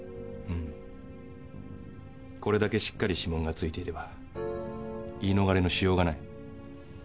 〔これだけしっかり指紋が付いていれば言い逃れしようがない〕